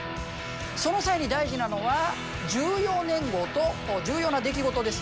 その際に大事なのは重要年号と重要な出来事です。